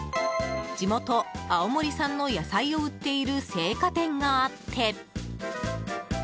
地元・青森産の野菜を売っている青果店があって。